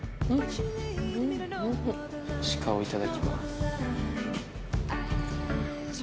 シカをいただきます。